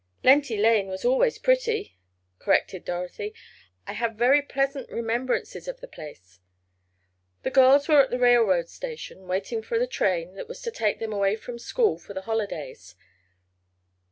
"Lenty Lane was always pretty," corrected Dorothy. "I have very pleasant remembrances of the place." The girls were at the railroad station, waiting for the train that was to take them away from school for the holidays.